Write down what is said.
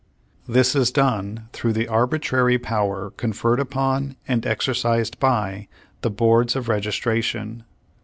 This is done through the ar bitrary power conferred upon and exercised by the Boards of Registration.